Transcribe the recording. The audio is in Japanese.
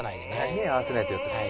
目を合わせないと寄ってくる。